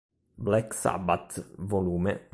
Black Sabbath, Vol.